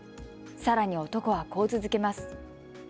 さらに男はこう続けます。